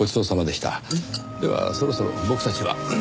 ではそろそろ僕たちは。